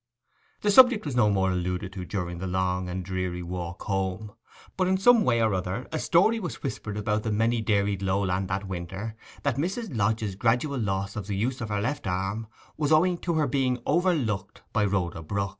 The subject was no more alluded to during the long and dreary walk home. But in some way or other a story was whispered about the many dairied lowland that winter that Mrs. Lodge's gradual loss of the use of her left arm was owing to her being 'overlooked' by Rhoda Brook.